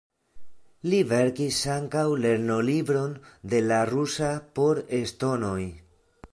Li verkis ankaŭ lernolibron de la rusa por estonoj.